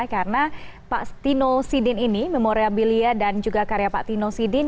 karena pak tino sidin ini memoriabilia dan juga karya pak tino sidin